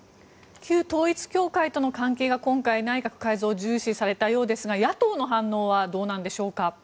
旧統一教会との関係が今回、内閣改造重視されたようですが野党の反応はどうなんでしょう。